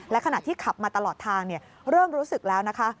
และขณะที่ขับมาตลอดทางเริ่มรู้สึกแล้วนะคะ